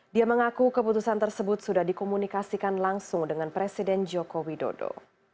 dia mengaku keputusan tersebut sudah dikomunikasikan langsung dengan presiden joko widodo